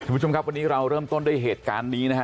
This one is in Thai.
คุณผู้ชมครับวันนี้เราเริ่มต้นด้วยเหตุการณ์นี้นะฮะ